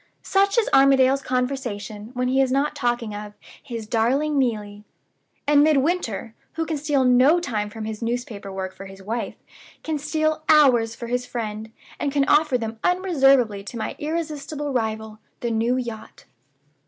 Such is Armadale's conversation when he is not talking of 'his darling Neelie.' And Midwinter, who can steal no time from his newspaper work for his wife, can steal hours for his friend, and can offer them unreservedly to my irresistible rival, the new yacht.